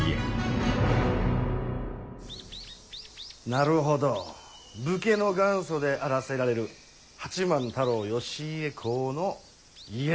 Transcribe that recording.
なるほど武家の元祖であらせられる八幡太郎義家公の「家」でございますな？